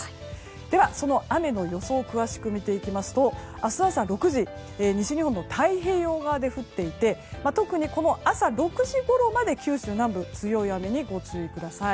では、雨の予想を詳しく見ていきますと明日朝６時西日本の太平洋側で降っていて特に朝６時ごろまで九州南部では強い雨にご注意ください。